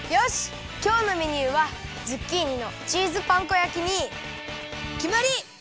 きょうのメニューはズッキーニのチーズパン粉焼きにきまり！